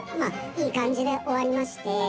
「いい感じで終わりまして」